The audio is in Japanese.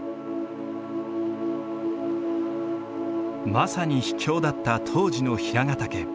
まさに秘境だった当時の平ヶ岳。